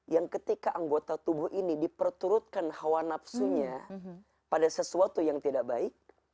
yang ketika anggota tubuh ini diperturutkan hawa nafsunya pada sesuatu yang tidak baik